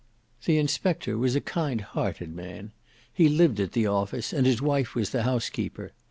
The inspector was a kind hearted man: he lived at the office and his wife was the housekeeper.